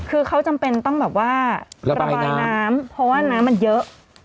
คือเขาจำเป็นต้องแบบว่าระบายน้ำเพราะว่าน้ำมันเยอะ